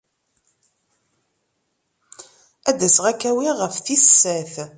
Ad d-aseɣ ad k-awiɣ ɣef tis sat.